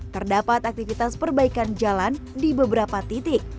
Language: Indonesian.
terdapat aktivitas perbaikan jalan di beberapa titik